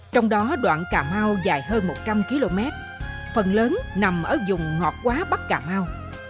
trong đó đoạn cà mau dài hơn một trăm linh km phần lớn nằm ở dùng ngọt quá bắc cà mau